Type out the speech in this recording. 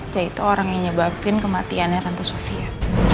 yaitu orang yang nyebabin kematiannya tante sofia